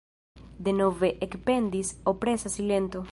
Denove ekpendis opresa silento.